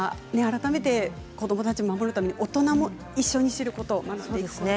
子どもたちを守るために大人も一緒に知ることですね。